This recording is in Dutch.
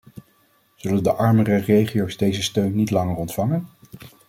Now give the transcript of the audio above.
Zullen de armere regio's deze steun niet langer ontvangen?